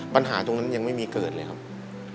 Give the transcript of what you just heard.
ปัญหาตรงนั้นยังไม่มีเกิดเลยครับ